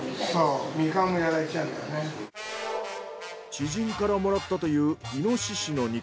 知人からもらったというイノシシの肉。